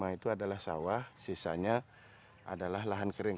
dua ratus lima puluh lima itu adalah sawah sisanya adalah lahan kering